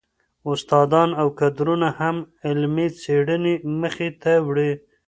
استادان او کدرونه هم علمي څېړني مخي ته وړي.